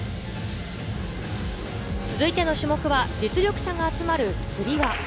続いての種目は実力者が集まる、つり輪。